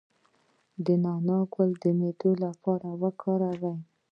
د نعناع ګل د معدې لپاره وکاروئ